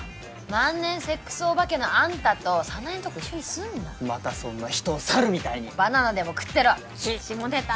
万年セックスお化けのあんたと早苗んとこを一緒にすんなまたそんな人を猿みたいにバナナでも食ってろ下ネタ？